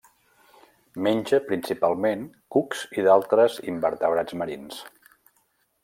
Menja principalment cucs i d'altres invertebrats marins.